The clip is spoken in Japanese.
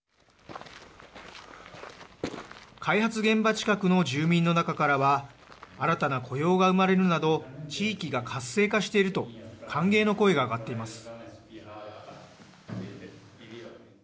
開発現場近くの住民の中からは新たな雇用が生まれるなど地域が活性化していると歓迎の声が上がっています。